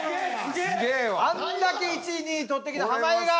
あんだけ１位２位獲ってきた濱家が。